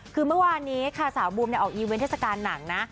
คือเมื่อวานนี้ค่ะสาวบูมออกอีเวนเทศกาลหนังนะ